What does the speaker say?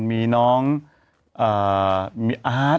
มีน้องมีอาร์ต